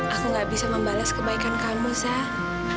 aku nggak bisa membalas kebaikan kamu zah